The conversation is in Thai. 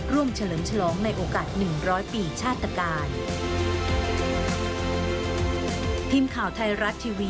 เฉลิมฉลองในโอกาส๑๐๐ปีชาตกาล